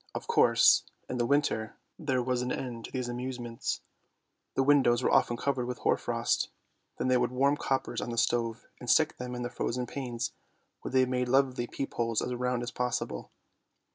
Of course in the winter there was an end to these amusements. The windows were often covered with hoar frost; then they would warm coppers on the stove and stick them on the frozen panes, where they made lovely peep holes as round as possible.